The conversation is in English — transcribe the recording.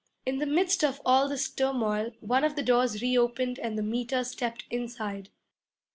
In the midst of all this turmoil one of the doors reopened and the Meter stepped inside.